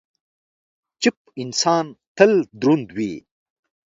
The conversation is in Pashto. چپ انسان، تل دروند وي.